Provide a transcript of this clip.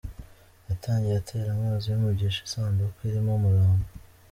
Yatangiye atera amazi y’umugisha isanduku irimo umurambo.